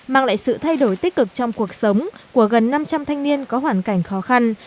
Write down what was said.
mang lại sự thay đổi tích cực trong cuộc sống của gần năm trăm linh thanh niên có hoàn cảnh khó khăn